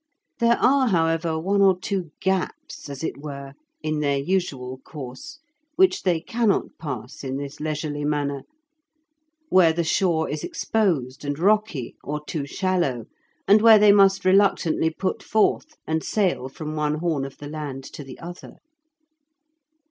There are, however, one or two gaps, as it were, in their usual course which they cannot pass in this leisurely manner; where the shore is exposed and rocky, or too shallow, and where they must reluctantly put forth, and sail from one horn of the land to the other.